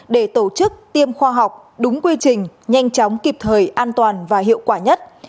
để tổ chức tiêm khoa học đúng quy trình nhanh chóng kịp thời an toàn và hiệu quả nhất